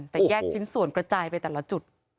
แต่แยกชิ้นส่วนกระจายไปแต่ละจุด